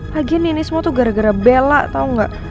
lagian ini semua tuh gara gara bella tau gak